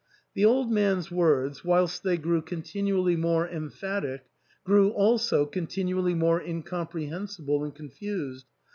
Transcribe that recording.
The old man's words, whilst they grew continually more em phatic, grew also continually more incomprehensible and confused.